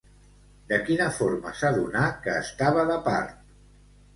De quina forma s'adonà que estava de part?